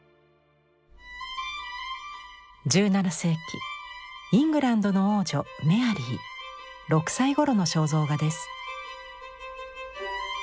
１７世紀イングランドの王女メアリー６歳ごろの肖像画です。